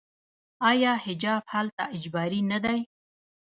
آیا حجاب هلته اجباري نه دی؟